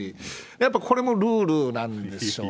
やっぱこれもルールなんでしょうね。